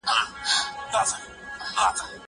زه اجازه لرم چي سندري واورم!؟